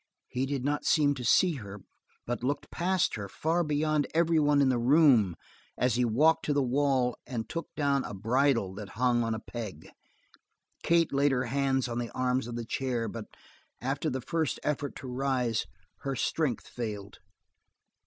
He did not seem to see her, but looked past her, far beyond every one in the room as he walked to the wall and took down a bridle that hung on a peg. Kate laid her hands on the arms of the chair, but after the first effort to rise, her strength failed.